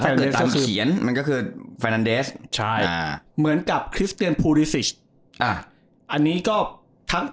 แต่ถ้าเกิดตามเขียนมันก็คือใช่เหมือนกับอ่าอันนี้ก็ทั้ง